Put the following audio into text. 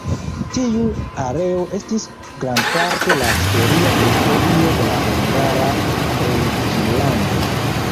Tiu areo estis grandparte la historia teritorio de la Hungara Reĝlando.